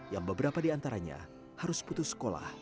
yang beberapa di antaranya harus putus sekolah